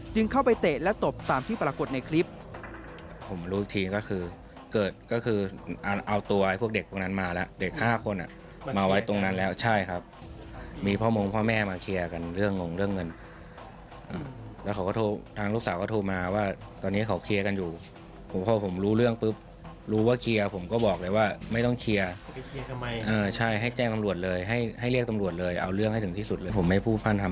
เข้าไปเตะและตบตามที่ปรากฏในคลิป